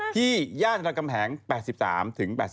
ที่ย่านรำคำแหง๘๓๘๕กม